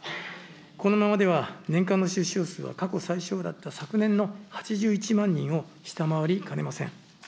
このままでは、年間の出生数は過去最少だった昨年の８１万人を下回りかねません。